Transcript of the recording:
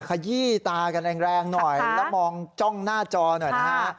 ขยี้ตากันแรงหน่อยแล้วมองจ้องหน้าจอหน่อยนะฮะ